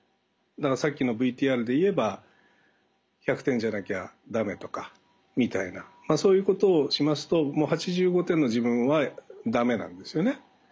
だからさっきのＶＴＲで言えば「１００点じゃなきゃダメ」とかみたいなそういうことをしますともう８５点の自分はダメなんですよね。